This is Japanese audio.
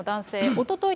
おととい